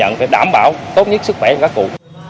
cần phải đảm bảo tốt nhất sức khỏe các cụ